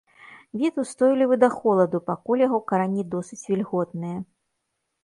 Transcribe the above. Від устойлівы да холаду, пакуль яго карані досыць вільготныя.